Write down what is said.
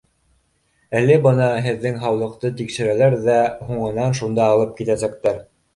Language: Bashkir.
Әле бына һеҙҙең һаулыҡты тикшерәләр ҙә, һуңынан шунда алып китәсәктәр.